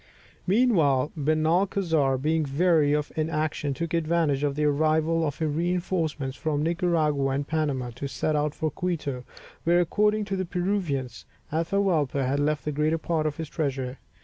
Meanwhile, Benalcazar, being weary of inaction, took advantage of the arrival of a reinforcement from Nicaragua and Panama, to set out for Quito, where according to the Peruvians, Atahualpa had left the greater part of his treasure.